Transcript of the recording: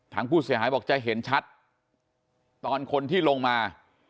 ทางผู้เสียหายบอกจะเห็นชัดตอนคนที่ลงมา